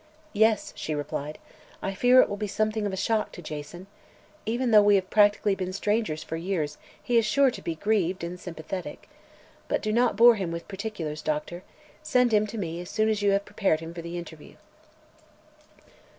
"Yes," she replied, "I fear it will be something of a shock to Jason. Even though we have practically been strangers for years, he is sure to be grieved and sympathetic. But do not bore him with particulars, Doctor. Send him to me as soon as you have prepared him for the interview."